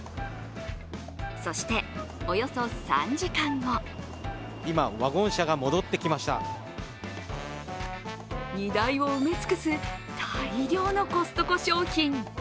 そして、およそ３時間後荷台を埋め尽くす大量のコストコ商品。